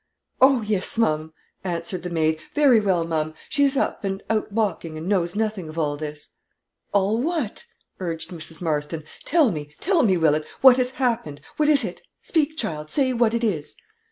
"Oh, yes, ma'am," answered the maid, "very well, ma'am; she is up, and out walking and knows nothing of all this." "All what?" urged Mrs. Marston. "Tell me, tell me, Willett, what has happened. What is it? Speak, child; say what it is?"